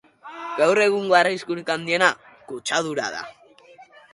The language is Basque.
Gaur egungo arriskurik handiena kutsadura da.